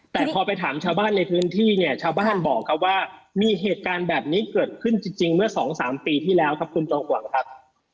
แต่พอไปถามชาวบ้านในพื้นที่เนี่ยชาวบ้านบอกครับว่ามีเหตุการณ์แบบนี้เกิดขึ้นจริงเมื่อสองสามปีที่แล้วครับคุณจอมขวัญครับ